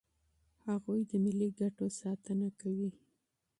هغوی د ملي ګټو ساتنه کوي.